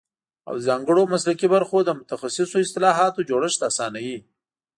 او د ځانګړو مسلکي برخو د متخصصو اصطلاحاتو جوړښت اسانوي